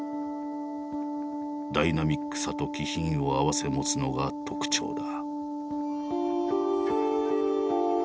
ダイナミックさと気品を併せ持つのが特徴だ。